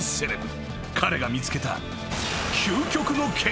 ［彼が見つけた］